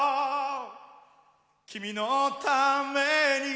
「君のために」